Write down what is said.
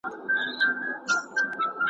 او په برخه یې ترمرګه پښېماني سي .